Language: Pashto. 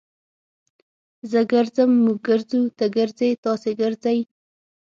زه ګرځم. موږ ګرځو. تۀ ګرځې. تاسي ګرځئ.